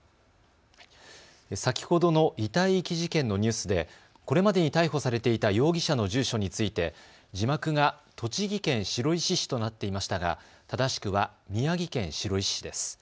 先ほどの遺体遺棄事件のニュースでこれまでに逮捕されていた容疑者の住所について字幕が栃木県白石市となっていましたが正しくは宮城県白石市です。